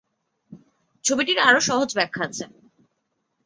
ছবিটির আরো সহজ ব্যাখ্যা আছে।